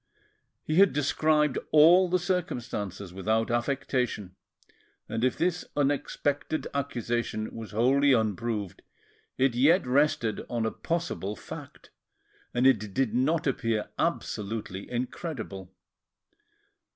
He had described all the circumstances without affectation, and if this unexpected accusation was wholly unproved, it yet rested on a possible fact, and did not appear absolutely incredible.